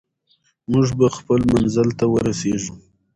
موږ به خپل منزل ته ورسېږو.